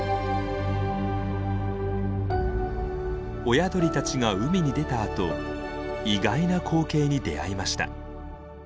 親鳥たちが海に出たあと意外な光景に出会いました。